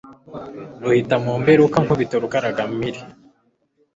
Ruhita mu mberuka Nkubito rukaragampili,